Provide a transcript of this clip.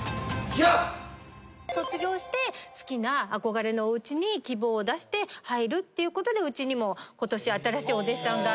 卒業して好きな憧れのおうちに希望を出して入るっていうことでうちにもことし新しいお弟子さんが。